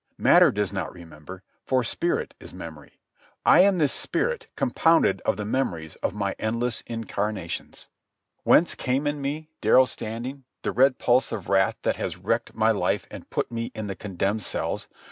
Matter does not remember, for spirit is memory. I am this spirit compounded of the memories of my endless incarnations. Whence came in me, Darrell Standing, the red pulse of wrath that has wrecked my life and put me in the condemned cells?